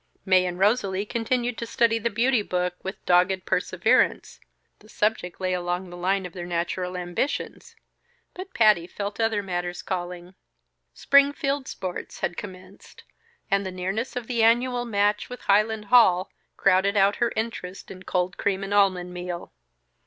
Mae and Rosalie continued to study the beauty book with dogged perseverance, the subject lay along the line of their natural ambitions but Patty felt other matters calling. Spring field sports had commenced, and the nearness of the annual match with Highland Hall, crowded out her interest in cold cream and almond meal.